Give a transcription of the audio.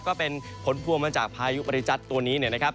ก็เป็นผลพวงมาจากพายุบริจัทตัวนี้เนี่ยนะครับ